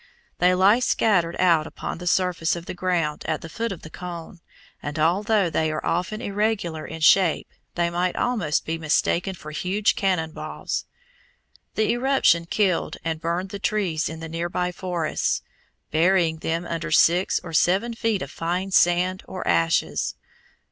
They lie scattered about upon the surface of the ground at the foot of the cone, and, although they are often irregular in shape, they might almost be mistaken for huge cannon balls. The eruption killed and burned the trees in the near by forests, burying them under six or seven feet of fine sand or ashes.